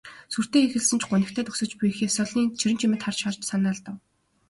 Сүртэй эхэлсэн ч гунигтай төгсөж буй их ёслолыг Цэрэнчимэд харж харж санаа алдав.